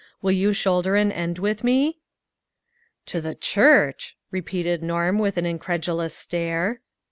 Will you shoulder an end with me ?"" To the church !" repeated Norm with an incredulous stare.